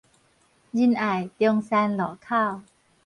仁愛中山路口